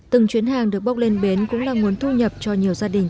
từng chuyến hàng được bốc lên bến cũng là nguồn thu nhập cho nhiều gia đình